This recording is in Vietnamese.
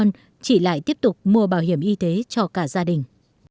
nhưng chị lại tiếp tục mua bảo hiểm y tế cho cả gia đình